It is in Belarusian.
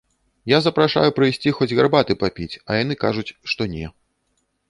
Я запрашаю прыйсці хоць гарбаты папіць, а яны кажуць, што не.